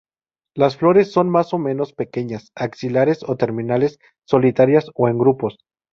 Las flores son más o menos pequeñas, axilares o terminales, solitarias o en grupos.